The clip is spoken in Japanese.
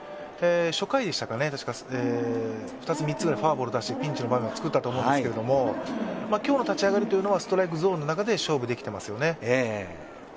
初回でしたか、たしか２つ、３つぐらいフォアボールを出してピンチの場面を作ったと思うんですけど、今日の立ち上がりというのはストライクゾーンの中で勝負できてますよね。